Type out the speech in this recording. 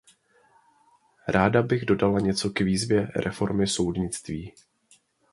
Ráda bych dodala něco k výzvě reformy soudnictví.